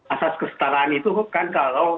asas kesetaraan itu kan kalau